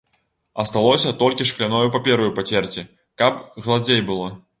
Асталося толькі шкляною папераю пацерці, каб гладзей было.